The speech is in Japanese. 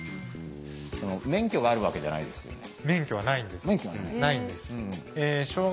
免許があるわけじゃないですよね。